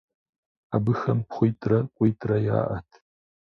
Абыхэм пхъуитӏрэ къуитӏрэ яӏэт.